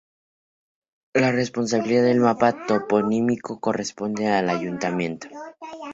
La responsabilidad del mapa toponímico corresponde al Ayuntamiento.